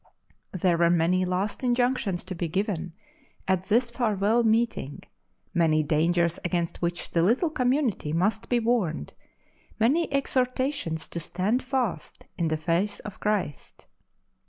There were many last injunctions to be given at this farewell meeting, many dangers against which the little community must be warned, many exhortations to stand fast in the faith of Christ.